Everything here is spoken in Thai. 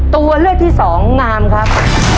ตัวเลือกที่สองงามครับ